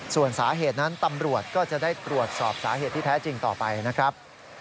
ส่วนสาเหตุนั้นตำรวจก็จะได้ตรวจสอบสาเหตุที่แท้จริงต่อไปนะครับ